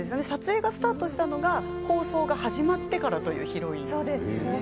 撮影がスタートしたのは放送が始まってからというヒロイン。